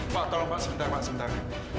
pak kalau pak sebentar pak sebentar